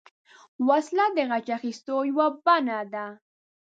وسله د غچ اخیستو یوه بڼه ده